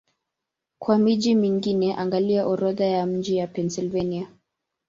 Kwa miji mingine, angalia Orodha ya miji ya Pennsylvania.